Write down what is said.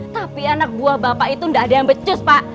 tapi anak buah bapak itu tidak ada yang becus pak